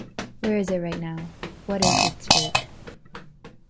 Where is it right now, what is it’s fate?